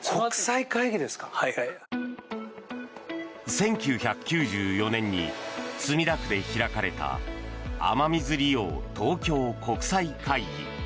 １９９４年に墨田区で開かれた雨水利用東京国際会議。